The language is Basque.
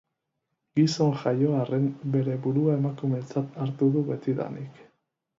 Gizon jaio arren, bere burua emakumetzat hartu du betidanik.